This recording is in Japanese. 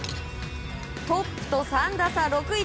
トップと３打差６位